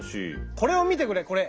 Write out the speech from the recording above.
これを見てくれこれ。